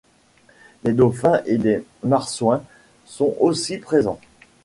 Des dauphins et des marsouins sont aussi présents.